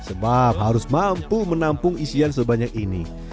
sebab harus mampu menampung isian sebanyak ini